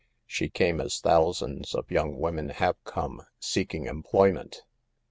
She came as thou sands of young women have come, seeking em ployment.